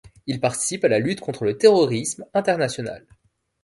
Il participe à la lutte contre le terrorisme international.